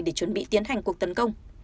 để chuẩn bị tiến hành cuộc tấn công